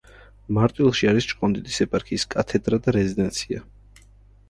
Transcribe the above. მარტვილში არის ჭყონდიდის ეპარქიის კათედრა და რეზიდენცია.